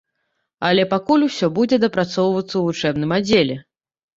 Але пакуль усё будзе дапрацоўвацца ў вучэбным аддзеле.